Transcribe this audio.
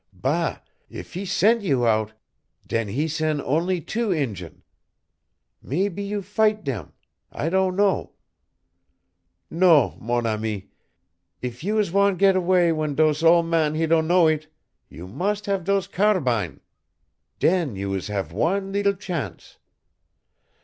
Bâ, eef he sen' you out, den he sen' onlee two Injun. Maybee you fight dem; I don' know. Non, mon ami, eef you is wan' get away w'en dose ole man he don' know eet, you mus' have dose carabine. Den you is have wan leetle chance.